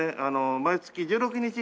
毎月１６日に。